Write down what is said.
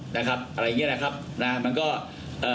อะไรอย่างเงี้ยนะครับนะมันก็เอ่อ